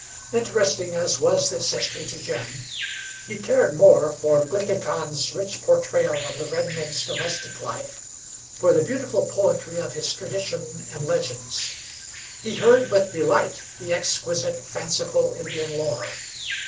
Interesting as was this history to Jim, he cared more for Glickhican's rich portrayal of the redmen's domestic life, for the beautiful poetry of his tradition and legends. He heard with delight the exquisite fanciful Indian lore.